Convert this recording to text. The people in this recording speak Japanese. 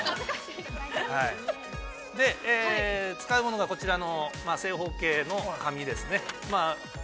使うものが、こちらの正方形の紙ですね。